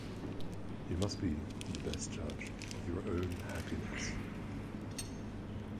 You must be the best judge of your own happiness.